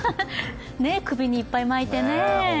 首にいっぱい巻いてね。